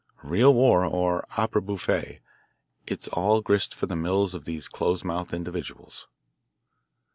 Real war or opera bouffe, it is all grist for the mills of these close mouthed individuals.